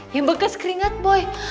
yang bekas keringat boy